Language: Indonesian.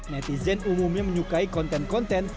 netizen umumnya menyukai konten konten